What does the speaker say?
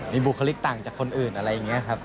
มีบุคลิกต่างจากคนอื่นอะไรอย่างนี้ครับ